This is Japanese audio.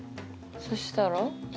そしたら？